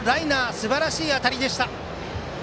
すばらしい当たりでした。